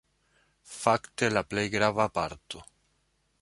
Fakte la plej grava parto.